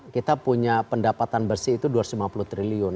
kita punya pendapatan bersih itu dua ratus lima puluh triliun